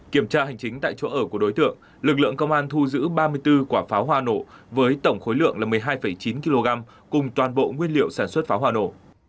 kiểm tra hành chính tại chỗ ở của đối tượng lực lượng công an thu giữ ba mươi bốn quả pháo hoa nổ với tổng khối lượng là một mươi hai chín kg cùng toàn bộ nguyên liệu sản xuất pháo hoa nổ